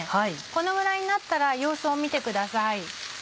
このぐらいになったら様子を見てください。